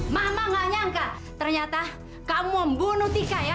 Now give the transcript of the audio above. mama gak nyangka ternyata kamu membunuh tika ya